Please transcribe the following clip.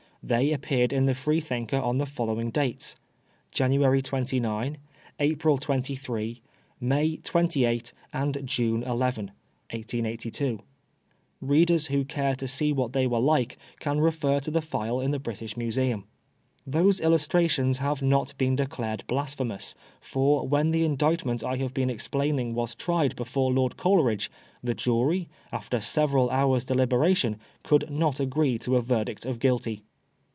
They appeared in the Freethinker on the following dates :— January 29, April 23, May 28, and June 11 (1882). Readers who care to see what they were like can refer to the file in the British Museum. Those illustrations have not been declared blasphemous, for when the Indictment I have been ex plaining was tried before Lord Coleridge, the jury, after several hours' deliberation, could not agree to a verdict of Guilty.